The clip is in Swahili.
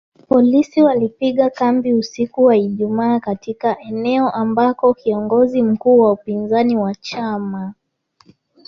Polisi walipiga kambi usiku wa Ijumaa katika eneo ambako kiongozi mkuu wa upinzani wa chama